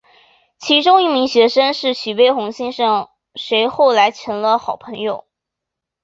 其中一名学生是徐悲鸿先生谁后来成了好朋友。